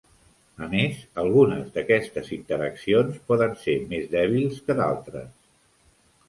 A més, algunes d"aquestes interaccions poden ser més dèbils que d"altres.